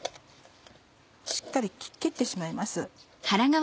しっかり切ってしまいます。